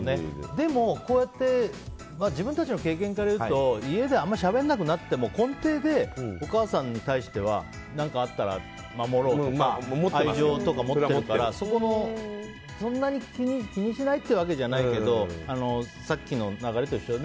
でも、自分たちの経験から言うと家であまりしゃべらなくなっても根底で、お母さんに対しては何かあったら守ろうとか愛情とかを持っているからそんなに、気にしないというわけじゃないけどさっきの流れと一緒で